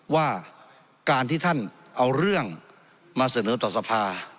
ว่าการที่ท่านเอาเรื่องมาเสนอต่อสภา